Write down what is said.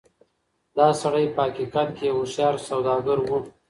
دا سړی په حقيقت کې يو هوښيار سوداګر و.